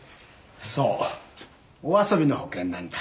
そうお遊びの保険なんだ。